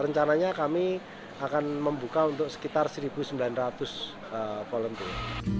rencananya kami akan membuka untuk sekitar satu sembilan ratus volunteer